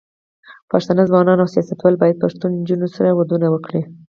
پښتانه ځوانان او سياستوال بايد پښتنو نجونو سره ودونه وکړي.